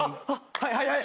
はいはいはい。